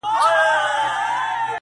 د زمان رحم ـ رحم نه دی- هیڅ مرحم نه دی-